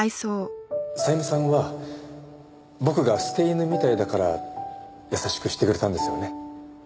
さゆみさんは僕が捨て犬みたいだから優しくしてくれたんですよね？